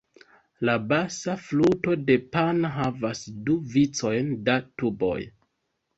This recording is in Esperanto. La basa fluto de Pan havas du vicojn da tuboj.